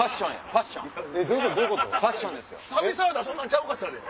そんなんちゃうかったで。